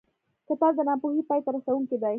کتاب د ناپوهۍ پای ته رسوونکی دی.